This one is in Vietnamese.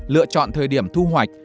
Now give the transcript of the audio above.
lựa chọn thời điểm thu hoạch